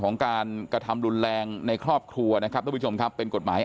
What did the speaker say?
ของการกระทำรุนแรงในครอบครัวนะครับทุกผู้ชมครับเป็นกฎหมาย